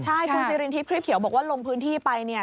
ใช่คุณซีรินทิพย์คลิปเขียวบอกว่าลงพื้นที่ไปเนี่ย